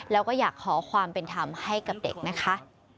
แล้วก็อยากขอความเป็นธรรมให้กับเด็กนะคะ